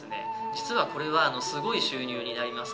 実はこれはすごい収入になりますから。